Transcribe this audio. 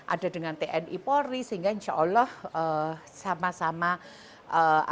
ada dengan tni polri sehingga insyaallah sama sama apa melakukan kegiatan ini juga